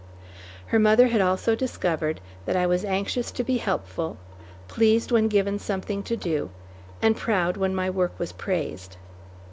Her mother had also discovered that I was anxious to be helpful, pleased when given something to do, and proud when my work was praised.